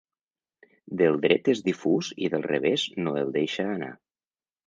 Del dret és difús i del revés no el deixa anar.